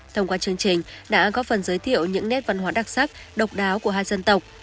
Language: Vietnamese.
thông qua chương trình đã góp phần giới thiệu những nét văn hóa đặc sắc độc đáo của hai dân tộc